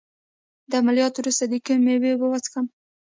د عملیات وروسته د کومې میوې اوبه وڅښم؟